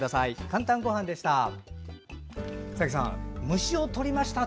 「かんたんごはん」でした。